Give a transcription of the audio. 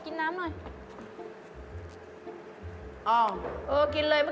คุณมาซื้ออะไรครับนี่